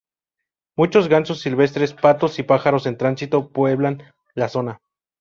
Muchos gansos silvestres, patos y pájaros en tránsito pueblan la zona.